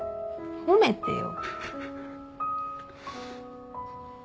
褒めてよ。